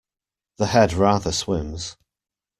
The head rather swims.